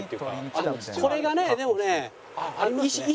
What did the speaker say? これがねでもね。